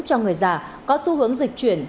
cho người già có xu hướng dịch chuyển